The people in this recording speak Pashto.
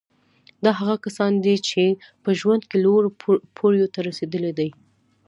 دا هغه کسان دي چې په ژوند کې لوړو پوړیو ته رسېدلي دي